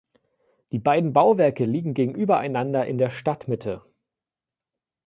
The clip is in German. Die beiden Bauwerke liegen gegenüber einander in der Stadtmitte.